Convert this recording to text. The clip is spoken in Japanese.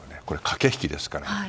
これは駆け引きですから。